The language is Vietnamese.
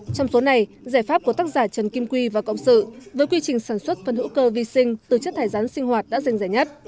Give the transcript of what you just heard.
trong số này giải pháp của tác giả trần kim quy và cộng sự với quy trình sản xuất phân hữu cơ vi sinh từ chất thải rán sinh hoạt đã rình rẻ nhất